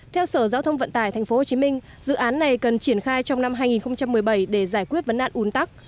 theo sở giao thông vận tải tp hcm dự án này cần triển khai trong năm hai nghìn một mươi bảy để giải quyết vấn nạn un tắc